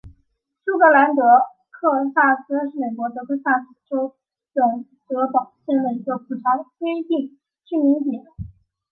舒格兰德克萨斯是美国德克萨斯州本德堡县的一个普查规定居民点。